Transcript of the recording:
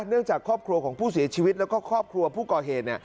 เนื่องจากครอบครัวของผู้เสียชีวิตแล้วก็ครอบครัวผู้ก่อเหตุ